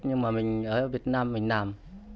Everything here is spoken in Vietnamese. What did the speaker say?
nhưng mà mình ở việt nam mình làm